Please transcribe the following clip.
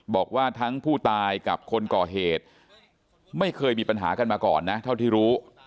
บอกว่าทั้งผู้ตายกับคนก่อเหตุไม่เคยมีปัญหากันมาก่อนนะเท่าที่รู้